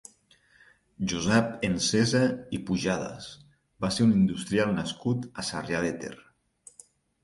Josep Ensesa i Pujadas va ser un industrial nascut a Sarrià de Ter.